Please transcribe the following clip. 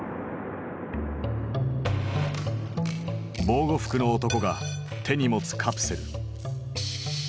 防護服の男が手に持つカプセル。